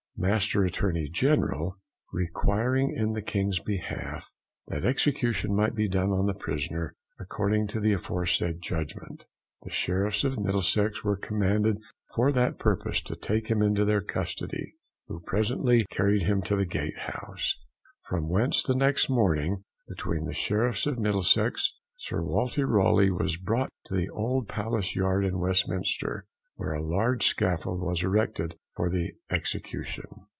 Master Attorney General, requiring in the King's behalf, that execution might be done on the prisoner, according to the aforesaid judgment: the Sheriffs of Middlesex were commanded for that purpose to take him into their custody, who presently carried him to the Gatehouse. From whence, the next morning, between the Sheriffs of Middlesex, Sir Walter Raleigh was brought to the old Palace Yard in Westminster, where a large scaffold was erected for the execution.